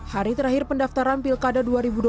hari terakhir pendaftaran pilkada dua ribu dua puluh